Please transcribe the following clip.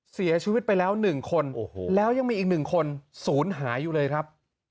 เสียชีวิตไปแล้ว๑คนแล้วยังมีอีก๑คนศูนย์หายอยู่เลยครับ